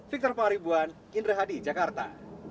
victor pangaribuan indra hadi jakarta